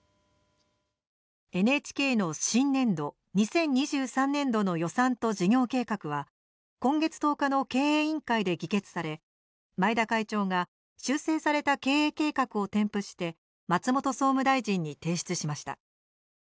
ＮＨＫの新年度２０２３年度の予算と事業計画は今月１０日の経営委員会で議決され、前田会長が修正された経営計画を添付して松本総務大臣に提出しました。